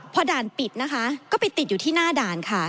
พอด่านปิดนะคะก็ไปติดอยู่ที่หน้าด่านค่ะ